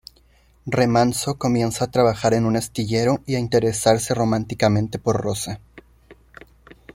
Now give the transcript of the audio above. Remanso comienza a trabajar en un astillero y a interesarse románticamente por Rosa.